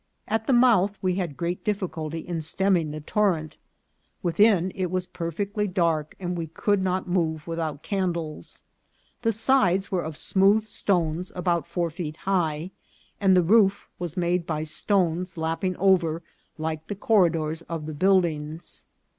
At the mouth we had great difficulty in stem ming the torrent. Within it was perfectly dark, and we could not move without candles. The sides were of smooth stones about four feet high, and the roof was made by stones lapping over like the corridors of the buildings.